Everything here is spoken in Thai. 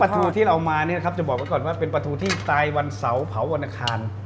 ทูที่เรามาเนี่ยนะครับจะบอกไว้ก่อนว่าเป็นปลาทูที่ตายวันเสาร์เผาวันอังคาร